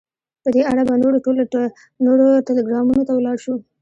په دې اړه به نورو ټلګرامونو ته ولاړ شو.